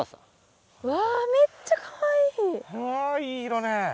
わいい色ね。